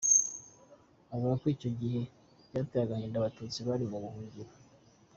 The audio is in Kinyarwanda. Avuga ko icyo gihe byateye agahinda Abatutsi bari mu buhungiro.